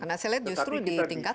karena saya lihat justru ditingkatkan